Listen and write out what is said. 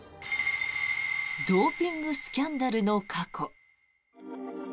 ドーピングスキャンダルの過去。